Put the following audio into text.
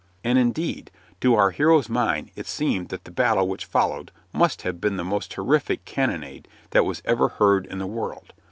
And, indeed, to our hero's mind it seemed that the battle which followed must have been the most terrific cannonade that was ever heard in the world.